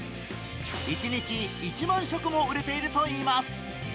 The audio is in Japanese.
一日１万食も売れているといいます。